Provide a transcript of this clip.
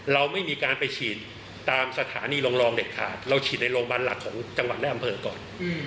เราไม่มีการไปฉีดตามสถานีรองเด็ดขาดเราฉีดในโรงพยาบาลหลักของจังหวัดและอำเภอก่อน